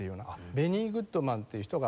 ベニー・グッドマンっていう人がまあ